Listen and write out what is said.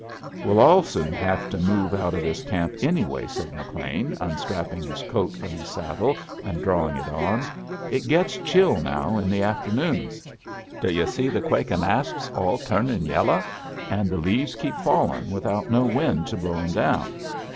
"We'll all soon have to move out of this camp, anyway," said McLean, unstrapping his coat from his saddle and drawing it on. "It gets chill now in the afternoons. D' yu' see the quakin' asps all turned yello', and the leaves keeps fallin' without no wind to blow 'em down?